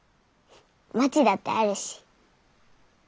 まちだってあるし。